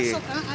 yang masuk ya